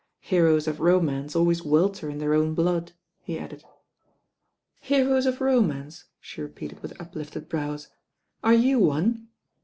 Heroes of romance always welter in their own blood," he added. "Heroes of romance I" she repeated with uplifted brows. "Are you one?"